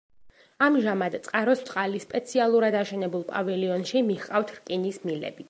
ამჟამად წყაროს წყალი სპეციალურად აშენებულ პავილიონში მიჰყავთ რკინის მილებით.